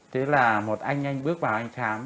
thế là một anh anh bước vào anh khám